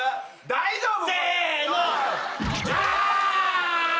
大丈夫？